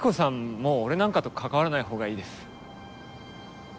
もう俺なんかと関わらないほうがいいです。